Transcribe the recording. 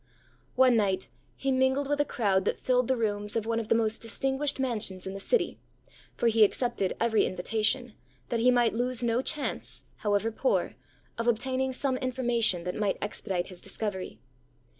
One night, he mingled with a crowd that filled the rooms of one of the most distinguished mansions in the city; for he accepted every invitation, that he might lose no chance, however poor, of obtaining some information that might expedite his discovery.